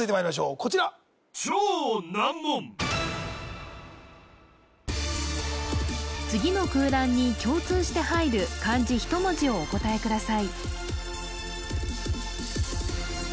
こちら次の空欄に共通して入る漢字１文字をお答えください